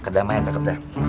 kedamaian kakak udah